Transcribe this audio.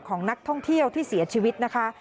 ของนักท่องเที่ยวที่เสียชีวิตนะคะ